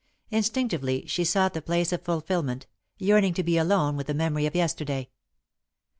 Instinctively, she sought the place of fulfilment, yearning to be alone with the memory of yesterday.